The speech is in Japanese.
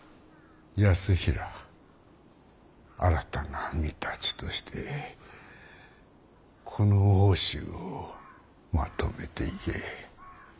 泰衡新たな御館としてこの奥州をまとめていけ。